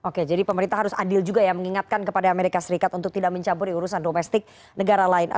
oke jadi pemerintah harus adil juga ya mengingatkan kepada amerika serikat untuk tidak mencampuri urusan domestik negara lain